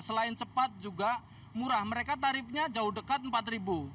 selain cepat juga murah mereka tarifnya jauh dekat rp empat